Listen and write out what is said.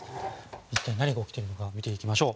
一体、何が起きているのか見ていきましょう。